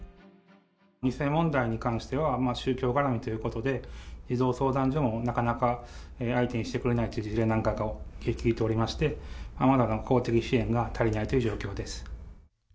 ２世問題に関しては、宗教絡みということで、児童相談所もなかなか相手にしてくれないという事例なんかも聞いておりまして、まだ公的支援が足りないという状況です。